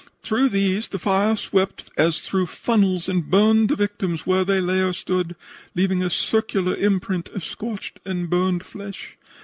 Through these the fire swept as through funnels and burned the victims where they lay or stood, leaving a circular imprint of scorched and burned flesh.